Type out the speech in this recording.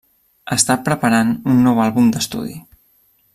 Està preparant un nou àlbum d'estudi.